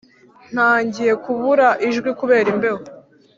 ntangiye kubura ijwi kubera imbeho